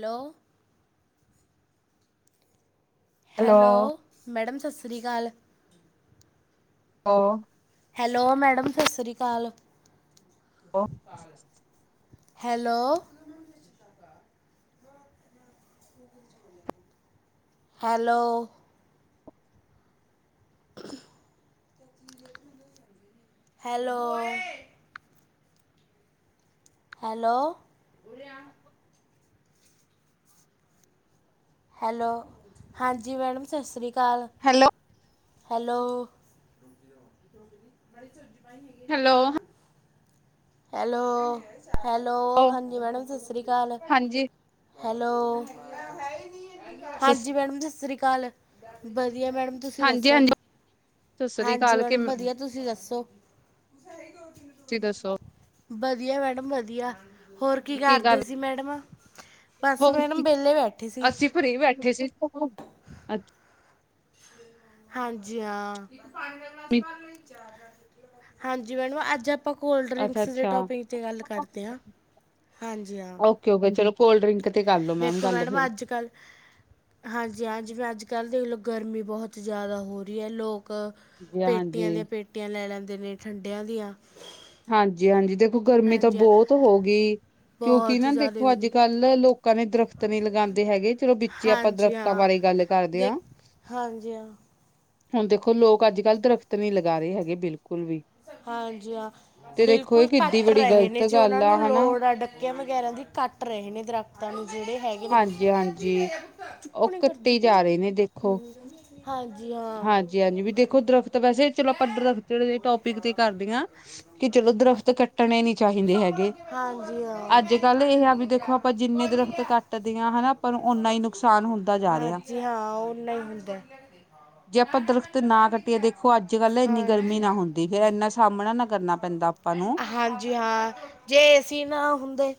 Hello. Hello, madam ਸਤਿ ਸ਼੍ਰੀ ਅਕਾਲ। ਓ। ਹੈਲੋ, ਮੈਡਮ ਸਤਿ ਸ੍ਰੀ ਅਕਾਲ। Hello. [inaudible] Hello. Hello. Hello. Hello, ਹਾਂਜੀ। ਮੈਡਮ ਸਤਿ ਸ਼੍ਰੀ ਅਕਾਲ। Hello. Hello. Hello hello- hello ਹਾਂਜੀ। ਮੈਡਮ ਸਤਿ ਸ਼੍ਰੀ ਅਕਾਲ। ਹਾਂਜੀ ਹੈਲੋ, ਸਸ ਹਾਂਜੀ। ਮੈਡਮ ਸਤਿ ਸ੍ਰੀ ਅਕਾਲ। ਵਧੀਆ ਮੈਡਮ, ਤੁਸੀਂ ਹਾਂਜੀ ਦੱਸੋ? ਹਾਂਜੀ ਸਤਿ ਸ੍ਰੀ ਹਾਂਜੀ, ਅਕਾਲ ਮੈਡਮ ਕਿਵੇਂ ਵਧੀਆ ਤੁਸੀਂ ਦੱਸੋ? ਤੁਸੀ ਦੱਸੋ? ਵਧੀਆ ਮੈਡਮ ਵਧੀਆ। ਹੋਰ ਕੀ ਕਰਦੇ ਸੀ ਮੈਡਮ? ਬਸ ਮੈਡਮ ਵਿਹਲੇ ਬੈਠੇ ਸੀ ਅਸੀਂ ਫਰੀ ਬੈਠੇ ਸੀ। ਅੱਛਾ ਹਾਂਜੀ ਹਾਂ। ਹਾਂਜੀ ਮੈਡਮ ਅੱਜ ਆਪਾਂ ਕੋਲਡ ਡਰਿੰਕਸ ਦੇ ਅੱਛਾ ਟੋਪਿੰਕ 'ਤੇ ਗੱਲ ਕਰਦੇ ਹਾਂ। ਹਾਂਜੀ, ਹਾਂ। ਓਕੇ ਓਕੇ ਚਲੋ ਕੋਲਡ ਡਰਿੰਕ ਤੇ ਕਰਲੋ ਮੈਮ ਦੇਖੋ ਗੱਲ ਮੈਡਮ ਫਿਰ ਅੱਜ-ਕੱਲ੍ਹ ਹਾਂਜੀ। ਹਾਂ ਜਿਵੇਂ ਅੱਜ- ਕੱਲ੍ਹ ਦੇਖ ਲਓ ਗਰਮੀ ਬਹੁਤ ਜ਼ਿਆਦਾ ਹੋ ਰਹੀ ਹੈ। ਲੋਕ ਹਾਂਜੀ ਪੇਟੀਆਂ ਦੀਆਂ ਹਾਂਜੀ ਪੇਟੀਆਂ ਲੈ ਲੈਂਦੇ ਨੇ, ਠੰਡਿਆਂ ਦੀਆਂ ਹਾਂਜੀ -ਹਾਂਜੀ। ਦੇਖੋ ਗਰਮੀ ਤਾਂ ਹਾਂਜੀ ਹਾਂ ਬਹੁਤ ਹੋ ਗਈ, ਕਿਉਂਕਿ ਬਹੁਤ ਨਾ ਜ਼ਿਆਦਾ ਦੇਖੋ ਹੋ ਅੱਜ ਗਈ -ਕੱਲ ਲੈ ਲੋਕਾਂ ਨੇ ਦਰ ਦਰਖਤ ਨਹੀ ਲਗਾਉਂਦੇ ਹੈਗੇ। ਚਲੋ, ਵਿੱਚੇ ਆਪਾਂ ਹਾਂਜੀ ਦਰਖਤਾਂ ਹਾਂ ਬਾਰੇ ਗੱਲ ਕਰਦੇ ਦੇਖ ਹਾਂ। ਹਾਂਜੀ ਹਾਂ ਹੁਣ ਦੇਖੋ, ਲੋਕ ਅੱਜ- ਕੱਲ੍ਹ ਦਰਖ਼ਤ ਨਹੀ ਲਗਾ ਰਹੇ ਹੈਗੇ ਬਿਲਕੁਲ ਵੀ ਹਾਂਜੀ, ਹਾਂ। ਤੇ ਦੇਖੋ ਬਿਲਕੁਲ ਇਹ ਕਿੱਡੀ ਘੱਟ ਬੜੀ ਰਹੇ ਨੇ, ਗ਼ਲਤ ਜੇ ਉਹਨਾਂ ਗੱਲ ਨੂੰ ਆ ਹਨਾ ਲੋੜ ਅੱਡ ਵਗੈਰਾ ਦੀ ਕੱਟ ਰਹੇ ਨੇ, ਦਰੱਖ਼ਤਾਂ ਨੂੰ ਜਿਹੜੇ ਹੈਗੇ ਹਾਂਜੀ-ਹਾਂਜੀ ਚੁੱਪ ਉਹ ਨ ਕਰਦੀ ਕੱਟੀ ਜਾ ਰਹੇ ਨੇ ਦੇਖੋ ਹਮ। ਹਾਂਜੀ ਹਾਂ। ਹੁਣ ਦੇਖੋ ਦਰਖ਼ਤ ਵੈਸੇ ਚਲੋ ਦਰਖਤ ਟੋਪਿਕ ਤੇ ਕਰਦੀ ਹਾਂ ਕਿ ਚਲੋ ਦਰਖਤੱ ਕੱਟਣੇ ਨੀ ਚਾਹੀਦੇ ਹੈਗੇ। ਹਾਂਜੀ ਹਾਂ ਅੱਜ- ਕੱਲ ਇਹ ਆ ਵੀ ਦੇਖੋ ਆਪਾਂ ਜਿੰਨੇ ਦਰਖਤ ਕੱਟ ਜਾ ਰਿਹਾ ਹਾਂਜੀ ਹਾਂ ਉਹਨਾਂ ਨਹੀਂ ਹੁੰਦੇ। ਜੇ ਆਪਾਂ ਦਰਖਤ ਨਾ ਕੱਟੀਏ, ਦੇਖੋ ਅੱਜ-ਕੱਲ੍ਹ ਇੰਨੀ ਗਰਮੀ ਹਾਂਜੀ ਨਾ ਹੁੰਦੀ। ਫੇਿਰ ਇੰਨਾ ਸਾਹਮਣਾ ਨਾ ਕਰਨਾ ਪੈਂਦਾ। ਆਪਾ ਨੂੰ। ਹਾਂਜੀ ਹਾਂ, ਜੇ ਏ ਸੀ ਨਾ ਹੁੰਦੇ‌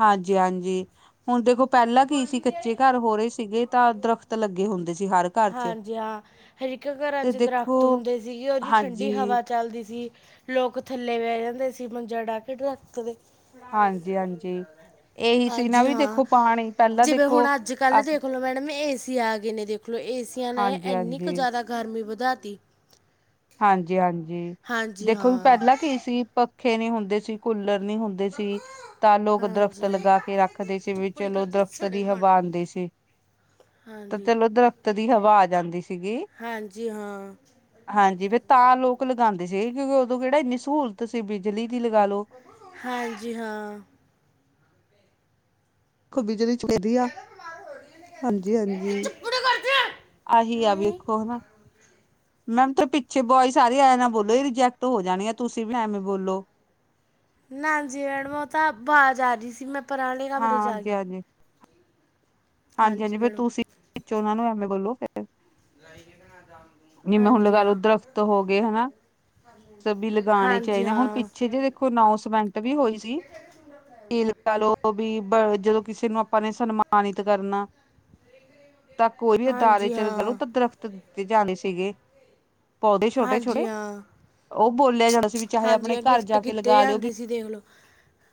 ਹਾਂਜੀ-ਹਾਂਜੀ। ਹੁਣ ਦੇਖੋ ਪੈਲਾਂ ਕੀ ਸੀ ਕੱਚੇ ਘਰ ਹੋ ਰੇ ਸੀਗੇ ਤਾਂ ਦਰਖਤ ਲੱਗੇ ਹੁੰਦੇ ਸੀ ਹਰ ਘਰ ਚ ਹਾਂਜੀ ਹਾਂ ਹਰੇਕ ਘਰਾਂ ਤੇ ਚ ਦੇਖੋ ਦਰਖਤ ਹੁੰਦੇ ਸੀਗੇ ਓ ਜੀ ਹਾਂਜੀ ਠੰਡੀ ਹਵਾ ਚੱਲਦੀ ਸੀ ਲੋਕ ਥੱਲੇ ਬੈ ਜਾਂਦੇ ਸੀ ਮੰਜਾ ਡਾ ਕੇ ਦਰੱਖਤ ਦੇ। ਹਾਂਜੀ ਹਾਂਜੀ ਇਹੀ ਸੀ ਨਾ ਹਾਂਜੀ ਵੀ ਹਾਂ ਦੇਖੋ ਪਾਣੀ ਪਹਿਲਾਂ ਜਿਵੇਂ ਦੇਖੋ ਹੁਣ ਅੱਜ ਕੱਲ ਆਪ ਦੇ ਖਲੋ ਮੈਡਮ ਏ ਸੀ ਆ ਗਏ ਨੇ ਦੇਖ ਲਓ ਏਸੀਆਂ ਨੇ ਹਾਂਜੀ ਇੰਨੀ ਕ ਹਾਂਜੀ ਜਾਦਾ ਗਰਮੀ ਵਧਾ ਤੀ। ਹਾਂਜੀ-ਹਾਂਜੀ ਹਾਂਜੀ ਦੇਖੋ ਵੀ ਹਾਂ ਪੈਲਾਂ ਕੀ ਸੀ ਪੱਖੇ ਨੀ ਹੁੰਦੇ ਸੀ ਕੂਲਰ ਨੀ ਹੁੰਦੇ ਦੇ ਸੀ। ਤਾਂ ਲੋਕ ਦਰਖਤ ਹਾਂਜੀ ਹਾਂ। ਲਗਾ ਕੇ ਰੱਖਦੇ ਸੀ ਵੀ ਤੁੱਪਣੀ ਚਲੋ ਕਰਦੇ ਦਰਖਤ ਛੜੇ ਦੀ ਹੰਡ ਹਵਾ ਆਂਦੀ ਸੀ। ਤਾਂ ਹਾਂਜੀ। ਚਲੋ ਦਰਖਤ ਦੀ ਹਵਾ ਆ ਜਾਂਦੀ ਸੀਗੀ। ਹਾਂਜੀ ਹਾਂ। ਹਾਂਜੀ ਫੇਰ ਤਾਂ ਲੋਕ ਲਗਾਂਦੇ ਸੀਗੇ ਕਿਉਂਕਿ ਓਦੋਂ ਕੇੜਾ ਇੰਨੀ ਸਹੂਲਤ ਸੀ ਬਿਜਲੀ ਦੀ ਲਗਾ ਲੋ। ਹਾਂਜੀ ਹਾਂ। ਦੇਖੋ ਬਿਜਲੀ ਚ [unintelligible] ਆ ਹਾਂਜੀ-ਹਾਂਜੀ। ਆਹੀ ਆ ਵੇਖੋ ਹਨਾ। ਮੈਮ ਤੇ ਪਿੱਛੇ ਬੋਆਏਸ ਆਰੀ ਐ ਨਾਲ ਬੋਲੋ ਏ ਰਿਜੈਕਟ ਹੋ ਜਾਣੀ ਆ ਤੁਸੀਂ ਵੀ ਐਵੇਂ ਬੋਲੋ। ਨਾਜੀ ਮੈਡਮ ਓ ਤਾਂ ਵਾਜ਼ ਆ ਰੀ ਸੀ ਮੈਂ ਪਰਾਂ ਆਲੇ ਹਾਂ ਕਮਰੇ ਚ ਹਾਂਜੀ ਆਗੀ। ਹਾਂਜੀ ਹਾਂਜੀ ਹਾਂਜੀ ਫੇਰ ਮੈਡਮ ਤੁਸੀਂ ਵਿੱਚੋਂ ਓਨਾ ਨੂੰ ਐਵੇਂ ਬੋਲੋ ਫਿਰ। ਲਾਈ ਕੇ ਤੇ ਨਾ [unintelligible] ਜਿਵੇਂ ਹੁਣ ਲਗਾਲੋ ਦਰੱਖਤ ਹੋ ਗਏ ਹਨਾ। ਵੀ ਲਗਾਣੇ ਹਾਂਜੀ ਚਾਈਦੇ ਆ ਹੁਣ ਹਾਂ ਪਿੱਛੇ ਜੇ ਦੇਖੋ ਅਨਾਊਸਮੈਂਟ ਵੀ ਹੋਈ ਸੀ। ਵੀ ਬ ਜਦੋਂ ਕਿਸੇ ਨੂੰ ਆਪਾਂ ਨੇ ਸਨਮਾਨਿਤ ਕਰਨਾ। [unintelligible] ਤਾਂ ਕੋਈ ਵੀ ਅਦਾਰੇ ਹਾਂਜੀ ਚ ਲਗਾਲੋ ਹਾਂ ਤਾਂ ਦਰਖਤ ਦਿੱਤੇ ਜਾਣੇ ਸੀਗੇ। ਹਾਂਜੀ ਹਾਂ। ਓ ਬੋਲਿਆ ਜਾਣਾ ਸੀ ਵੀ ਚਾਹੇ ਹਾਂਜੀ ਆਪਣੇ ਹਾਂ ਘਰ ਗਿਫਟ ਜਾ ਕੇ ਕੀਤੇ ਲਗਾ ਲਿਓ ਵੀ ਜਾਂਦੇ ਸੀ ਦੇਖ ਲਓ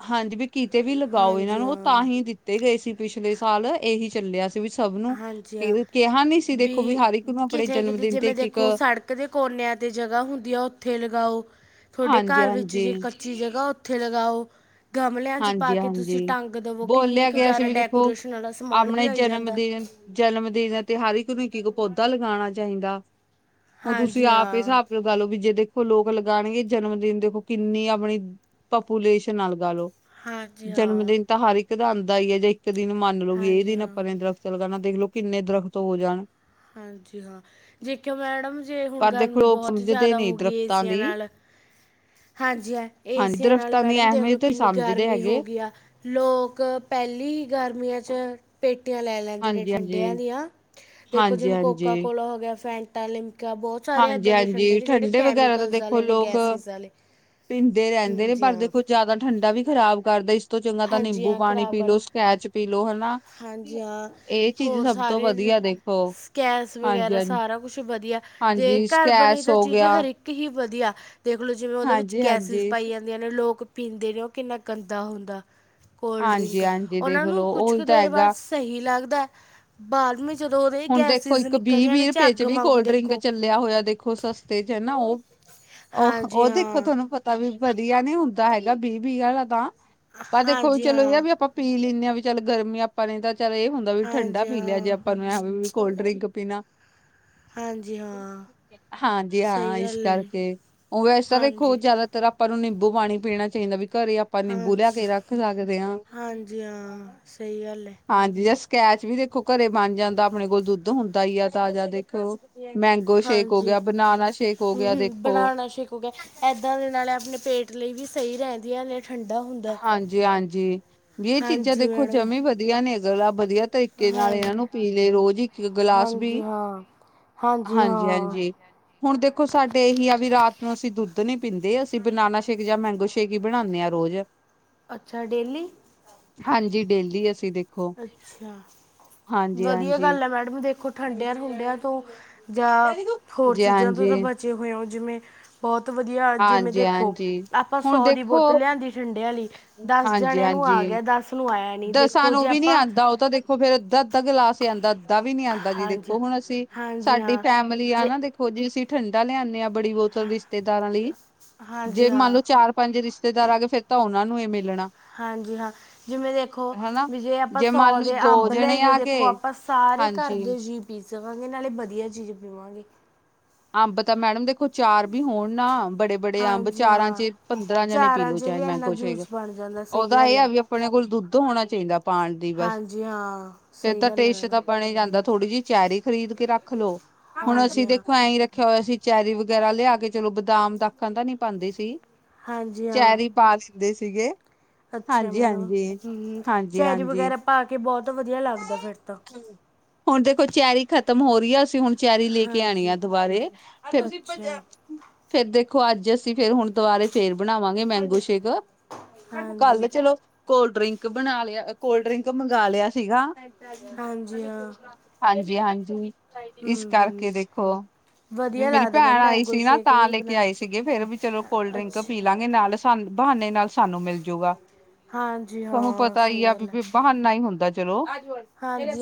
ਹਾਂਜੀ ਵੀ ਕਿਤੇ ਵੀ ਲਗਾਓ ਏਨਾਂ ਹਾਂਜੀ ਨੂੰ ਓ ਤਾਂ ਹਾਂ ਹੀ ਦਿੱਤੇ ਗਏ ਸੀ ਪਿਛਲੇ ਸਾਲ ਏਹੀ ਚੱਲਿਆ ਵੀ ਸਭ ਨੂੰ ਹਾਂਜੀ ਹਾਂ ਕਿਹਾ ਨੀ ਸੀ ਦੇਖੋ ਵੀ ਹਰ ਇੱਕ ਨੂੰ ਆਪਣੇ ਜਨਮ ਦਿਨ ਤੇ ਇੱਕ-ਇੱਕ ਕਦੇ ਕੋਨਿਆਂ ਤੇ ਜਗ੍ਹਾ ਹੁੰਦੀ ਆ ਓਥੇ ਲਗਾਓ ਥੌਡੇ ਹਾਂਜੀ ਘਰ ਵਿੱਚ ਹਾਂਜੀ ਜੇ ਕ ਚੀ ਜਗ੍ਹਾ ਓਥੇ ਲਗਾਓ। ਗਮਲਿਆਂ ਚ ਪਾ ਹਾਂਜੀ ਕੇ ਤੁਸੀਂ ਹਾਂਜੀ ਟੰਗ ਦਵੋ ਕਿੰਨੀ ਬੋਲਿਆ ਕ ਗਿਆ ਸੀ ਜਾਦਾ ਵੀ ਦੇਖੋ ਡੈਕੋਰੇਸ਼ਨ ਵਾਲਾ ਸਮਾਨ ਵੀ ਆਪਣੇ ਆਈ ਜਨਮ ਜਾਂਦਾ। ਦਿਨ ਜਨਮ ਦਿਨ ਤੇ ਹਰ ਇੱਕ ਨੂੰ ਇੱਕ-ਇੱਕ ਪੌਦਾ ਲਗਾਣਾ ਚਾਹੀਦਾ। ਹੁਣ ਤੁਸੀਂ ਹਾਂਜੀ ਆਪ ਏ ਹਾਂ ਸਾਬ ਲਗਾਲੋ ਵੀ ਜੇ ਦੇਖੋ ਲੋਕ ਲਗਾਣਗੇ ਜਨਮਦਿਨ ਦੇਖੋ ਕਿੰਨੀ ਆਪਣੀ ਪਪੂਲੇਸ਼ਨ ਆ ਲਗਾਲੋ ਹਾਂਜੀ ਜਨਮ ਹਾਂ ਦਿਨ ਤਾਂ ਹਰ ਕਦਾ ਆਂਦਾ ਈ ਐ ਜੇ ਇੱਕ ਦਿਨ ਮਣਲੋ ਵੀ ਏ ਹਾਂਜੀ ਦਿਨ ਹਾਂ ਆਪਾਂ ਨੇ ਦਰਖਤ ਚ ਲਗਾਣਾ ਦੇਖਲਓ ਕਿੰਨੇ ਦਰਖਤ ਹੋ ਜਾਣ। ਹਾਂਜੀ ਹਾਂ ਜੇਖਿਓ ਮੈਡਮ ਜੇ ਹੁਣ ਪਰ ਦੇਖੋ ਗਰਮੀ ਲੋਕ ਬੋਹਤ ਸਮਝਦੇ ਜਾਦਾ ਨਹੀਂ ਹੋਗੀ ਦਰਖਤਾਂ ਏਸੀਆਂ ਦੀ ਨਾਲ। ਹਾਂਜੀ ਐ ਹਾਂਜੀ ਏਸੀਆਂ ਨਾਲ ਦਰਖਤਾਂ ਦੀ ਮੈਡਮ ਦੇਖਲੋ ਅਹਿਮੀਅਤ ਕਿੰਨੀ ਸਮਝਦੇ ਗਰਮੀ ਹੈਗੇ ਹੋਗੀ। ਗਿਆ ਲੋਕ ਪੈਲੀ ਗਰਮੀਆਂ ਚ ਪੇਟੀਆਂ ਲੈ [unintelligible] ਲੈਂਦੇ ਨੇ ਹਾਂਜੀ ਠੰਡਿਆਂ ਹਾਂਜੀ ਦੀਆਂ ਦੇਖੋ ਹਾਂਜੀ ਜਿਵੇਂ ਕੋਕਾ ਹਾਂਜੀ ਕੋਲ ਹੋ ਗਿਆ, ਫੈਂਟਾ, ਲਿਮਕੀਆਂ ਬੋ ਸਾਰੇ ਹਾਂਜੀ ਐਦਾਂ ਦੇ ਠੰਡੇ ਹਾਂਜੀ ਨੇ ਜੇੜ੍ਹੇ ਵਗੈਰਾ ਤਾਂ ਕੈਮੀਕਲਸ ਦੇਖੋ ਆਲੇ ਨੇ ਲੋਕ ਗੈਸਿਸ ਆਲੇ ਪੀਂਦੇ ਰੈਂਦੇ ਨੇ ਪਰ ਦੇਖੋ ਜਾਦਾ ਠੰਡਾ ਵੀ ਖ਼ਰਾਬ ਕਰਦਾ ਇ ਹਾਂਜੀ ਹਾਂ ਖ਼ਰਾਬ ਕਰਦਾ ਪੀ ਲੋ ਹਨਾ ਹਾਂਜੀ ਹਾਂ ਇਹ ਚੀਜ਼ ਹੋਰ ਸਭ ਤੋਂ ਸਾਰੇ ਵਧੀਆ ਦੇਖੋ ਸਕੇਸ ਹਾਂਜੀ ਵਗੈਰਾ ਹਾਂਜੀ ਸਾਰਾ ਕੁੱਛ ਵਧੀਆ ਜੇ ਹਾਂਜੀ ਘਰ ਬਣੀ ਸਕੈਸ ਤਾਂ ਹੋ ਚੀਜ਼ ਗਿਆ ਹਰੇ ਕ ਹੀ ਵਧੀਆ ਦੇਖਲੋ ਜਿਵੇਂ ਓਦੇ ਵਿੱਚ ਹਾਂਜੀ ਗੈਸਿਸ ਹਾਂਜੀ ਪਾਈ ਆ ਦੀਆਂ ਨੇ ਲੋਕ ਪੀਂਦੇ ਨੇ ਓ ਕਿੰਨਾ ਗੰਦਾ ਹੁੰਦਾ। ਕੋਲਡ ਹਾਂਜੀ ਡਰਿੰਕ ਹਾਂਜੀ ਦੇਖ ਓਨਾਂ ਨੂੰ ਲੋ ਕੁੱਛ ਕੁ ਉਹੀ ਤਾਂ ਦੇਰ ਬਾਦ ਹੈਗਾ ਸਹੀ ਲੱਗਦੈ [unintelligible] ਹੁਣ ਦੇਖੋ ਇੱਕ ਵੀਹ-ਵੀਹ ਰੁਪਏ ਚ ਵੀ ਵਾਂਗੂ ਕੋਲਡ ਡਰਿੰਕ ਦੇਖੋ ਚੱਲਿਆ ਹੋਇਆ ਦੇਖੋ ਸਸਤੇ ਚ ਹੈ ਨਾ ਓ ਓਹ ਹਾਂਜੀ ਓ ਦੇਖੋ ਹਾਂ ਥੌਨੂੰ ਪ ਤਾ ਵੀ ਵਧੀਆ ਨੀ ਹੁੰਦਾ ਹੈਗਾ ਵੀਹ-ਵੀਹ ਆਲਾ ਤਾਂ ਪਰ ਦੇਖੋ ਵੀ ਹਾਂਜੀ ਚਲੋ ਏ ਆ ਹਾਂ ਵੀ ਆਪਾਂ ਪੀ ਲੀਨੇ ਆ ਵੀ ਚੱਲ ਗਰਮੀ ਆਪਾਂ ਨੇ ਤਾਂ ਚੱਲ ਏ ਹੁੰਦਾ ਵੀ ਠੰਡਾ ਹਾਂਜੀ ਪੀ ਲਿਆ ਜੇ ਹਾਂ ਆਪਾਂ ਨੂੰ ਮੈਂ ਵੀ-ਵੀ ਕੋਲਡ ਡਰਿੰਕ ਪੀਣਾ। ਹਾਂਜੀ ਹਾਂ। ਹਾਂਜੀ ਹਾਂ ਸਹੀ ਇਸ ਗੱਲ ਹੈ ਜੀ ਕਰਕੇ ਉ ਵੈਸ ਤਾਂ ਦੇਖੋ ਹਾਂਜੀ ਜਾਦਾਤਰ ਆਪਾਂ ਨੂੰ ਨਿੰਬੂ ਪਾਣੀ ਪੀਣਾ ਚਾਈਦਾ ਵੀ ਘਰੇ ਆਪਾਂ ਨਿੰਬੂ ਲਿਆ ਹਾਂਜੀ ਕੇ ਰੱਖ ਸਕਦੇ ਆ। ਹਾਂਜੀ ਹਾਂ ਸਹੀ ਗੱਲ ਹੈ ਹਾਂਜੀ ਜਾਂ ਸਕੈਚ ਵੀ ਦੇਖੋ ਘਰੇ ਬਣ ਜਾਂਦਾ ਆਪਣੇ ਕੋਲ ਦੁੱਧ ਹੁੰਦਾ ਈ ਆ ਤਾਜ਼ਾ ਦੇਖੋ। ਮੈਂਗੋ ਸ਼ੇਕ ਹੋ ਹਾਂਜੀ ਗਿਆ, ਬਨਾਨਾ ਸ਼ੇਕ ਹੋ ਗਿਆ ਦੇਖੋ। ਕਿਉਂਕਿ ਐਦਾਂ ਦੇ ਨਾਲ ਆਪਣੇ ਪੇਟ ਲਈ ਵੀ ਸਈ ਰੈਂਦੀਆਂ ਨੇ। ਠੰਡਾ ਹੁੰ ਹਾਂਜੀ-ਹਾਂਜੀ ਵੀ ਏ ਚੀਜ਼ਾਂ ਹਾਂਜੀ ਦੇਖੋ ਮੈਡਮ ਜਮੀ ਵਧੀਆ ਨੇ [unintelligible] ਵਧੀਆ ਤਰੀਕੇ ਨਾਲ ਏਨਾਂ ਹਾਂਜੀ ਨੂੰ ਪੀ ਲੇ ਰੋਜ਼ ਇੱਕ ਕ ਗਿਲਾਸ ਵੀ। ਹਾਂਜੀ ਹਾਂ ਹਾਂਜੀ ਹਾਂ। ਹੁਣ ਦੇਖੋ ਸਾਡੇ ਏਹੀ ਆ ਵੀ ਰਾਤ ਨੂੰ ਅਸੀਂ ਦੁੱਧ ਨੀ ਪੀਂਦੇ ਅਸੀਂ ਬਨਾਨਾ ਸ਼ੇਕ ਜਾਂ ਮੈਂਗੋ ਸ਼ੇਕ ਈ ਬਣਾਨੇ ਆ ਰੋਜ਼। ਅੱਛਾ ਡੇਲੀ। ਹਾਂਜੀ ਡੇਦੀ ਅਸੀਂ ਦੇ ਅੱਛਾ ਵਧੀਆ ਹਾਂਜੀ ਗੱਲ ਐ ਮੈਡਮ ਦੇਖੋ ਹਾਂਜੀ ਠੰਡਿਆਂ-ਠੁੰਡਿਆਂ ਤੋਂ ਜਾਂ ਹੋਰ ਹਾਂਜੀ ਚੀਜ਼ਾਂ ਤੋਂ ਤਾਂ ਹਾਂਜੀ ਬਚੇ ਹੋਏ ਹੋ ਜਿਵੇਂ ਬੋਤ ਵਧੀਆ ਜਿਵੇਂ ਦੇਖੋ ਹਾਂਜੀ ਆਪਾਂ ਹੁਣ ਸੌ ਦੀ ਦੇਖੋ ਬੋਤਲ ਲਿਆਂਦੀ ਠੰਡੇ ਆਲੀ ਦਸ ਜਣਿਆਂ ਨੂੰ ਆ ਗਿਆ ਦਸ ਨੂੰ ਆਇਆ ਨਹੀਂ ਦਸਾਂ ਦੇਖੋ ਜੇ ਨੂੰ ਵੀ ਨੀ ਆਪਾਂ ਆਂਦਾ ਓ ਤਾਂ ਦੇ ਹੋ ਫੇਰ ਅੱਧਾ-ਅੱਧਾ ਗਲਾਸ ਈ ਆਂਦਾ ਅੱਧਾ ਵੀ ਨੀ ਆਂਦਾ ਜੀ ਹਾਂਜੀ ਦੇਖੋ ਹੁਣ ਅਸੀਂ ਹਾਂਜੀ ਸਾਡੀ ਹਾਂ ਫੈਮਿ ਆ ਜੇ ਨਾ ਦੇਖੋ ਜੀ ਅਸੀਂ ਠੰਡਾ ਲਿਆਨੇ ਬੜੀ ਬੋਤਲ ਰਿਸ਼ਤੇਦਾਰਾਂ ਲਈ ਹਾਂਜੀ ਜੇ ਮੰਨ ਹਾਂ ਲਓ ਚਾਰ ਪੰਜ ਰਿਸ਼ਤੇਦਾਰ ਆਗੇ ਫੇਰ ਤਾਂ ਓਨਾਂ ਨੂੰ ਏ ਮਿਲਣਾ। ਹਾਂਜੀ ਹਾਂ ਜਿਵੇਂ ਦੇ ਖੋ ਹਨਾ। ਵੀ ਜੇ ਆਪਾਂ ਮੰਨ ਸੌ ਲਓ ਦੇ ਦੋ ਅੰਬ ਜਣੇ ਲਿਆਈਏ ਆ ਦੇਖੋ ਗਏ ਆਪਾਂ ਸਾਰੇ ਹਾਂਜੀ ਘਰਦੇ ਜੀ ਪੀ ਸਕਾਂਗੇ ਨਾਲੇ ਵਧੀਆ ਚੀਜ਼ ਪੀਵਾਂਗੇ। ਅੰਬ ਤਾਂ ਮੈਡਮ ਦੇਖੋ ਚਾਰ ਵੀ ਹੋਣ ਨਾ ਬੜੇ-ਬੜੇ ਅੰਬ ਹਾਂਜੀ ਚਾਰਾਂ ਚ ਹਾਂ ਏ ਪੰਦਰਾਂ ਜਣੇ ਚਾਰਾਂ ਪੀਲੋ 'ਚ ਚਾਏ ਵੀ ਇੰਨਾ ਮੈਂਗੋ ਚੇਗ ਜੂਸ ਬਣ ਜਾਂਦਾ ਸਹੀ ਓਦਾ ਏ ਗੱਲ ਆ ਹੈ ਵੀ ਆਪਣੇ ਕੋਲ ਦੁੱਧ ਹੋਣਾ ਚਾਈਦਾ ਪਾਣ ਦੀ ਬਸ ਹਾਂਜੀ ਹਾਂ ਫੇਰ ਸਹੀ ਤਾਂ ਗੱਲ ਹੈ ਟੇਸਟ ਮੈਡਮ ਤਾਂ ਬਣੇ ਜਾਂਦਾ ਥੋੜ੍ਹੀ ਜੀ ਚੈਰੀ ਖਰੀਦ ਕੇ ਰੱਖ ਲੋੋ ਹੁਣ ਹਾਂਜੀ ਅਸੀਂ ਦੇ ਹਾਂ ਐਈ ਰੱਖਿਆ ਹੋਇਆ ਸੀ ਚੈਰੀ ਵਗੈਰਾ ਲਿਆ ਕੇ ਚਲੋ ਬਦਾਮ ਦਾਖਾਂ ਤਾਂ ਨੀ ਪਾਂਦੇ ਸੀ। ਹਾਂਜੀ ਚੈਰੀ ਪਾ ਲਿੰਦੇ ਸੀਗੇ। ਅੱਛੇਆ ਮੈਡਮ ਹਾਂਜੀ-ਹਾਂਜੀ। ਹੂੰ ਚੈਰੀ ਹਾਂਜੀ-ਹਾਂਜੀ ਵਗੈਰਾ ਪਾ ਕੇ ਬੋਤ ਵਧੀਆ ਲੱਗਦਾ ਫੇਰ ਤਾਂ। ਹੁਣ ਦੇਖੋ ਚੈਰੀ ਖ਼ਤਮ ਹੋ ਰੀ ਆ ਅਸੀਂ ਹੁਣ ਚੈਰੀ ਲੇ ਕੇ ਆਣੀ ਆ ਹਾਂਜੀ ਦੁਬਾਰੇ, ਫੇਰ ਤ ਅੱਛਾ ਫੇਰ ਦੇਖੋ ਅੱਜ ਅਸੀਂ ਫੇਰ ਹੋਣ ਦੁਬਾਰੇ ਫੇਰ ਬਣਾਵਾਂਗੇ ਮੈਂਗੋ ਸ਼ੇਕ, ਕਾੱਲ ਹਾਂਜੀ ਤੇ ਚਲੋ ਕੋਲਡ ਡ੍ਰੀਂਕ ਬਣਾ ਲੇਆ ਅ ਕੋਲਡ ਡ੍ਰੀਂਕ ਮਗਾ ਲੇਆ ਸੀਗਾ ਹਾਂਜੀ ਹਾਂ ਹਾਂਜੀ-ਹਾਂਜੀ, ਹੂੰ ਇਸ ਹੂੰ ਕਾਰਕੇ ਦੇਖੋ ਵੀ ਵਧੀਆ ਮੇਰੀ ਲੱਗਦਾ ਮੈਮ ਭੈਣ ਆਈ ਮੈਂਗੋ ਸੀ ਨਾ ਸ਼ੇਕ ਤਾਂ ਵੀ ਲੈਕੇ ਬਣਾਉਣਾ ਆਏ ਸੀਗੇ ਸੀ ਫੇਰ ਵੀ ਚਲੋ ਕੋਲਡ ਡ੍ਰੀਂਕ ਪੀ ਅੱਛਾ ਲਾਂਗੇ ਨਾਲ ਸਨ ਬਹਾਨੇ ਨਾਲ ਸਾਨੂੰ ਮਿਲਜੂਗਾ। ਹਾਂਜੀ ਹਾਂ, ਸਈ ਗੱਲ ਐ। ਵੀ ਬਹਾਨਾ ਹੀ ਹੁੰਦਾ ਚਲੋ,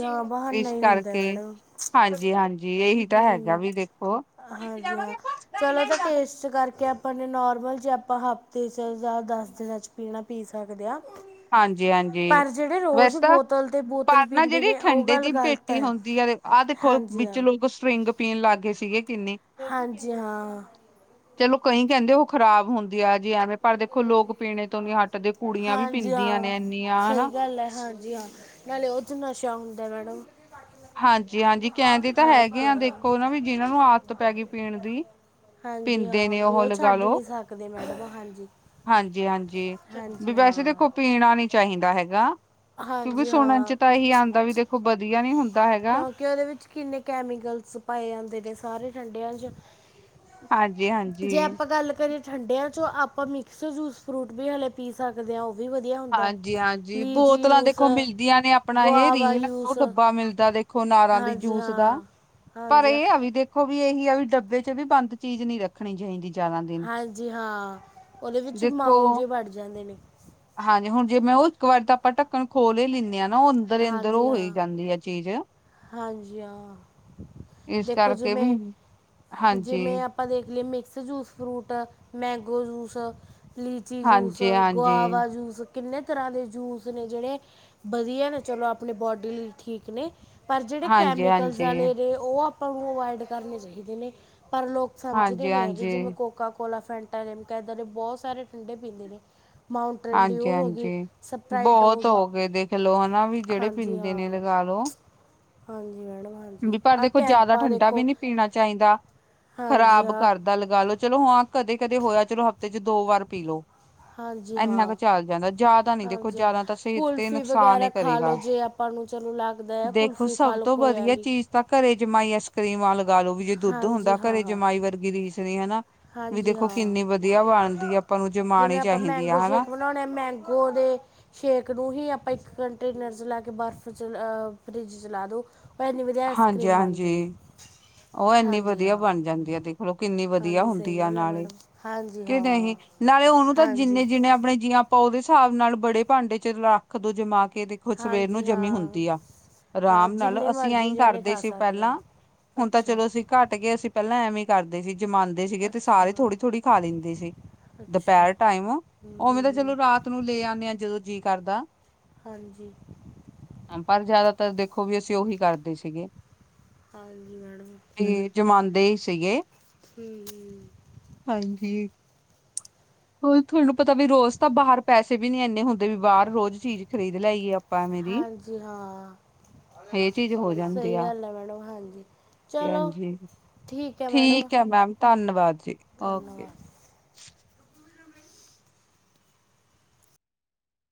ਹਾਂ ਬਹਾਨਾ ਇਸ ਹੀ ਹੁੰਦਾ ਕਰਕੇ ਮੈਡਮ ਹਾਂਜੀ-ਹਾਂਜੀ, ਏਹੀ ਤਾਂ ਹੈਗਾ ਹਮ ਵੀ ਦੇਖੋ ਇਸ ਕਾਰਕੇ ਆਪ ਆਪਾ ਨੇ ਨੋਰਮਲ ਜੇ ਆਪਾਂ ਹਫ਼ਤੇ ਚ ਜਾਂ ਦੱਸ ਦਿਣਾਂ 'ਚ ਪੀਣਾ ਪੀ ਸਾਕਦੇ ਆਂ। ਹਾਂਜੀ-ਹਾਂਜੀ, ਵੈਸ ਤਾਂ ਬੋਤਲ ਤੇ ਬੋਤਲ ਪਾਰ ਨਾ ਪੀਂਦੇ ਜੇੜੀ ਨੇ ਉਹ ਠੰਡੇ ਗੱਲ ਦੀ ਗਲਤ ਪੇਟੀ ਹੈ ਹੋਂਦੀ ਐ ਦੇ ਆ ਦੇਖੋ ਹਾਂਜੀ ਵਿੱਚ ਹਾਂ ਲੋਕ ਸ੍ਰੀਟੰਗ ਪੀਨ ਲਾੱਗ ਗੇ ਸੀਗੇ ਕਿੰਨੀ ਹਾਂਜੀ ਹਾਂ ਚਲੋ ਕਈਂ ਕੈਂਦੇ ਓ ਖਰਾਬ ਹੋਂਦੀ ਆ ਜੀ ਐਵੇਂ ਪਾਰ ਦੇਖੋ ਲੋਕ ਪੀਣੇ ਤੋਂ ਨੀ ਹਾਟਦੇ ਕੁੜੀਆਂ ਵੀ ਦੀਆਂ ਨੇ ਐਨੀਆਂ ਹਨਾ। ਲੈ ਹਾਂਜੀ ਹਾਂ, ਨਾਲੇ ਓਚ ਨਸ਼ਾ ਹੁੰਦੈ ਮੈੜਮ। ਹਾਂਜੀ-ਹਾਂਜੀ ਕੈਂਦੇ ਤਾਂ ਹੈਗੇ ਹਾਂਜੀ ਆਂ ਹਾਂ ਦੇਖੋ ਨਾ ਵੀ ਜਿਨਾਂ ਨੂੰ ਆੱਤ ਪੈ ਗੀ ਪੀਣ ਦੀ ਹਾਂਜੀ ਪੀਂਦੇ ਹਾਂ ਨੇ ਵੀ ਓਹੋ ਉਹ ਲਗਾ ਛੱਡ ਲੋ [unintelligible] ਹਾਂਜੀ ਹਾਂਜੀ-ਹਾਂਜੀ, ਹਾਂਜੀ ਵੀ ਵੈਸੇ ਹਾਂ ਦੇਖੋ ਪੀਣਾ ਨੀ ਚਾਹੀਂਦਾ ਹੈਗਾ ਕਿਉਂਕਿ ਹਾਂਜੀ ਸੁਣਨ ਚ ਹਾਂ ਤਾਂ ਏਹੀ ਆਂਦਾ ਵੀ ਦੇਖੋ ਵਦੀਆ ਨੀ ਹੁੰਦਾ ਹੈਗਾ। ਕੀਂ ਓਦੇ ਵਿੱਚ ਕਿੰਨੇ ਕੈਮੀਕਲਸ ਪਾਏ ਜਾਂਦੇ ਨੇ ਸਾਰੇ ਠੰਡੇਆਂ ਚ। ਹਾਂਜੀ-ਹਾਂਜੀ। ਜੇ ਆਪਾਂ ਗੱਲ ਕਰੀਏ ਠੰਡੇਆਂ ਚੋਂ ਆਪਾਂ ਮਿਕਸ ਜੂਸ ਫ੍ਰੂਟ ਵੀ ਹਲੇ ਪੀ ਸਾਕਦੇ ਆਂ ਓ ਵੀ ਵਦੀਆ ਹੁੰਦਾ ਹਾਂਜੀ-ਹਾਂਜੀ ਲੀਚੀ ਬੋਤਲਾਂ ਜੂਸ, ਦੇਖੋ ਮਿਲਦੀਆਂ ਨੇ ਆਪਣਾ ਇਹ ਗੁਆਵਾ ਰੀਲ ਉਹ ਜੂਸ ਡੱਬਾ ਮਿਲਦਾ ਦੇਖੋ ਅਨਾਰਾਂ ਦੇ ਹਾਂਜੀ ਜੂਸ ਦਾ, ਹਾਂ ਪਰ ਹਾਂਜੀ ਹਾਂ ਏ ਆ ਵੀ ਦੇਖ ਖੋ ਵੀ ਏਹੀ ਆ ਵੀ ਡੱਬੇ ਚ ਵੀ ਬੰਦ ਚੀਜ਼ ਨੀ ਰੱ ਖਣੀ ਚਹੀਂਦੀ ਜਾਦਾ ਹਾਂਜੀ ਹਾਂ, ਓਦੇ ਵਿੱਚ ਦੇਖੋ ਮਾਊਂ ਜੇ ਵੜ ਜਾਂਦੇ ਨੇ। ਹਾਂਜੀ ਹੁਨ ਜੇ ਓ ਮੈ ਓ ਇੱਕ ਵਾਰ ਤਾਂ ਆਪਾਂ ਢੱਕਣ ਖੋਲ ਏ ਲਿਨੇ ਆਂ ਨਾ ਓ ਅੰਦਰੇ-ਅੰਦਰ ਹਾਂਜੀ ਓ ਹੋਈ ਹਾਂ ਜਾਂਦੀ ਆ ਚੀਜ ਹਾਂਜੀ ਹਾਂ, ਇਸ ਦੇਖੋ ਕਰਕੇ ਵੀ ਹਾਂਜੀ ਜਿਮੇ-ਜਿਮੇ ਆ ਆਪਾਂ ਦੇਖ ਲੇ ਮਿਕਸ ਜੂਸ ਫ੍ਰੂਟ ਆ, ਮੈਂਗੋ ਜੂਸ ਆ ਲੀਚੀ ਜੂਸ, ਹਾਂਜੀ ਹਾਂਜੀ ਹਾਂਜੀ ਗੁਆਵਾ ਜੂਸ ਕਿੰਨੇ ਤਰਾਂ ਦੇ ਜੂਸ ਨੇ ਜੇੜੇ ਬਦੀਆ ਨੇ ਚਲੋ ਆਪਣੀ ਬੋਡੀ ਲਈ ਠੀਕ ਨੇ ਪਰ ਜੇੜੇ ਹਾਂਜੀ ਕੈਮੀਕਲਸ ਹਾਂਜੀ ਵਾਲੇ ਨੇ ਓ ਆਪਾਂ ਨੂੰ ਓਵਾਇੜ ਕਰਨੇ ਚਹੀਦੇ ਨੇ ਪਰ ਲੋਕ ਸਮਝਦੇ ਨੀ ਹੈਗੇ ਜਿਵੇਂ ਹਾਂਜੀ ਕੋਕਾ ਕੋਲਾ, ਫੈਂਟਾ, ਲੇਮਕਾ ਇਦਾਂ ਦੇ ਬੋਤ ਸਾਰੇ ਠੰਡੇ ਪੀਂਦੇ ਨੇ ਮਾਊਂਟ੍ਰੇਨਡ ਹਾਂਜੀ ਡਿਊ ਹੋ ਗੀ, ਹਾਂਜੀ ਸਪਰਾਈਟ ਹੋ ਬਹੁਤ ਗੀ ਗਏ ਦੇਖ ਲਓ ਹਨਾ ਵੀ ਜਿਹੜੇ ਹਾਂਜੀ ਪੀਂਦੇ ਨੇ ਹਾਂ ਲਗਾ ਲੋ ਹਾਂਜੀ ਮੈੜਮ ਹਾਂਜੀ। ਵੀ ਪਰ ਆ ਦੇਖੋਂ ਜਾਦਾ ਕੈਂਪਾ ਠੰਡਾ ਵੀ ਦੇਖੋ ਨੀ ਪੀਣਾ ਚਾਹੀਂਦਾ, ਹਾਂਜੀ ਖ਼ਰਾਬ ਹਾਂ ਕਰ ਤਾ ਲਗਾ ਲੋ ਚਲੋ ਹਾਂ ਕਦੇ-ਕਦੇ ਹੋਏਆ ਚਲੋ ਹਫ਼ਤੇ ਚ ਦੋ ਵਾਰ ਪੀ ਲੋ। ਹਾਂਜੀ ਐੱਨਾ ਕ ਹਾਂ ਚੱਲ ਜਾਂਦਾ ਜਾਦਾ ਨੀ ਦੇਖੋ ਹਾਂਜੀ ਹਾਂ। ਜਾਦਾ ਤਾਂ ਸੇਹਤ ਤੇ ਕੁਲਫੀ ਨਕਸਾਨ ਏ ਵਗੈਰਾ ਖਾ ਲਓ ਕਰੇਗਾ। ਜੇ ਆਪਾਂ ਨੂੰ ਚਲੋ ਲੱਗਦੈ ਕੁਲਫੀ ਖਾਲੋ ਖੋਏ ਆਲੀ। ਇਸ ਤਾਂ ਘਰੇ ਜਮਾਈ ਆਈਸ ਕ੍ਰੀਮਾਂ ਲਗਾ ਲੋ ਵੀ ਜੇ ਦੁੱਦ ਹਾਂਜੀ ਹੁੰਦਾ ਹਾਂ ਘਰੇ ਹਾਂ ਜਮਾਈ ਵਰਗੀ ਰੀਸ ਨੀ ਹਨਾ। ਵੀ ਹਾਂਜੀ ਦੇਖੋ ਹਾਂ ਕਿੰਨੀ ਵਦੀਆ ਬਾਣਦੀ ਆ ਆਪਾਂ ਨੂੰ ਜਿਵੇਂ ਜਮਾਣੀ ਆਪਾਂ ਚਾਹੀਂਦੀ ਮੈਂਗੋ ਆ ਹਨਾ। [unintelligible] ਮੈਂਗੋ ਦੇ ਛੇਕ ਨੂੰ ਹੀ ਆਪਾਂ ਇੱਕ ਕੰਟਰੀ ਨਰਸ ਲੈ ਕੇ ਬਸ ਚ ਫਰਿਜ ਚਲਾ ਦੋ ਐੰਨੀ ਵਧੀਆ ਆਈਸ ਹਾਂਜੀ ਕਰ੍ਰੀਮ ਬਣ ਹਾਂਜੀ ਦੀ ਐ ਉਹ ਐੰਨੀ ਵਧੀਆ ਬਣ ਜਾਂਦੀ ਏ ਦੇਖਲੋ ਕਿੰਨੀ ਵਧੀਆ ਹਾਂਜੀ ਹੁੰ ਦੀ ਸਹੀ ਈ ਐ ਗੱਲ ਹੈ ਨਾਲੇ ਮੈਡਮ ਹਾਂਜੀ ਕਿ ਨਹੀਂ ਹਾਂ ਨਾਲੇ ਉਹਨੂੰ ਤਾਂ ਹਾਂਜੀ ਜਿੰਨੇ ਜਿੰਨ ਮੈ ਆਪਣੇ ਜੀ ਆਪਾਂ ਉਹਦੇ ਹਿਸਾਬ ਨਾਲ ਬੜੇ ਭਾਂਡੇ ਚ ਰੱਖ ਦੋ ਜਮਾ ਕੇ ਤੇ ਉਹ ਸਵੇਰ ਨੂੰ ਹਾਂਜੀ ਜਮੀ ਹਾਂ ਹੁੰਦੀ ਆ ਹਾਂ ਆਰਾਮ ਨਾਲ ਜਿੰਨੇ ਅਸੀਂ ਮਰਜ਼ੀ ਐਂ ਜਾਣੇ ਕਰਦੇ ਖਾ ਸੀ ਸਕਦੇ ਆ ਪਹਿਲਾਂ ਹੁਣ ਤਾਂ ਅੱਛਾ ਚਲੋ ਅਸੀਂ ਘੱਟ ਗਏ ਅਸੀਂ ਪਹਿਲਾਂ ਐਵੇ ਏ ਕਰਦੇ ਸੀ ਜਮਾਨ ਦੇਸੀ ਗੇ ਤੇ ਅੱਛਾ ਸਾਰੇ ਮੈਮ ਥੋੜ੍ਹੀ-ਥੋੜ੍ਹੀ ਖਾ ਲੈਂਦੇ ਸੀ ਦੁਪਹਿਰ ਅੱਛਾ ਟਾਈਮ ਹਮ, ਉਵੇਂ ਹਮ, ਤੇ ਹਮ, ਚਲੋ ਰਾਤ ਨੂੰ ਲੈ ਆਣੇ ਆ ਜਦੋਂ ਜੀਅ ਕਰਦਾ ਹਾਂਜੀ ਪਰ ਜ਼ਿਆਦਾਤਰ ਦੇਖੋ ਵੀ ਅਸੀਂ ਉਹੀ ਕਰਦੇ ਸੀਗੇ ਹਾਂਜੀ ਮੈਡਮ ਈਰ ਜਮਾਂਦੇ ਸੀ ਗੇ ਹੂ ਹੂ ਹਾਂਜੀ [inaudible] ਉਹੀ ਤੁਹਾਨੂੰ ਪਤਾ ਵੀ ਰੋਜ਼ ਤਾਂ ਬਾਹਰ ਪੈਸੇ ਵੀ ਨੀ ਇੰਨੇ ਹੁੰਦੇ ਵੀ ਬਾਹਰ ਰੋਜ਼ ਚੀਜ਼ ਖਰੀਦ ਲੈਏ ਅਪ ਹਾਂਜੀ ਹਾਂ ਇਹ ਚੀਜ਼ ਹੋ ਸਹੀ ਗੱਲ ਐ ਮੈਡਮ ਹਾਂਜੀ ਪੈਣ ਚਲੋ ਜੀ ਹੈ ਮੈਡਮ ਠੀਕ ਐ ਮੈਮ ਧੰਨਵਾਦ ਜੀ ਓਕੇ ਧੰਨਵਾਦ